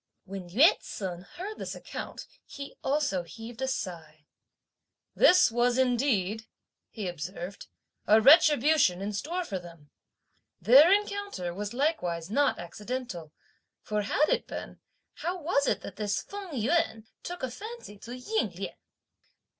When Yü ts'un heard this account he also heaved a sigh. "This was indeed," he observed, "a retribution in store for them! Their encounter was likewise not accidental; for had it been, how was it that this Feng Yüan took a fancy to Ying Lien?